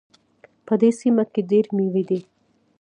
په دې سیمه کې ډېري میوې دي